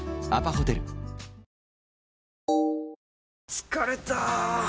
疲れた！